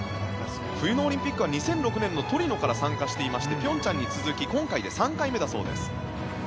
冬のオリンピックは２００６年のトリノから参加していまして平昌に続き今回で３回目だそうです。